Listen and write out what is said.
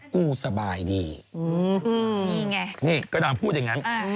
กูสบายดีอืมนี่ไงนี่กระดาษพูดอย่างงั้นอืม